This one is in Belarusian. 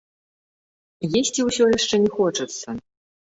Есці ўсё яшчэ не хочацца.